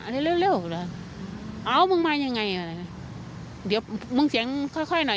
อันนี้เร็วเหรอเอ้ามึงมายังไงอะไรเดี๋ยวมึงเสียงค่อยค่อยหน่อย